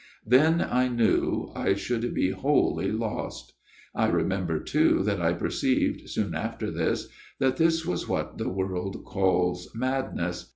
Then, I knew, I should be wholly lost. I remember too that I perceived soon after this that this was what the world calls madness.